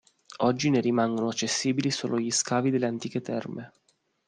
Oggi ne rimangono accessibili solo gli scavi delle antiche terme.